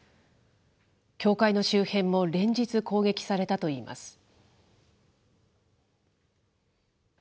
教会の周辺も連日攻撃されたといいます。